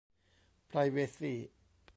ไพรเวซี